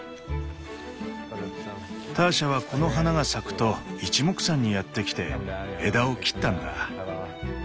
ターシャはこの花が咲くといちもくさんにやって来て枝を切ったんだ。